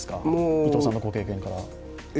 伊藤さんのご経験から。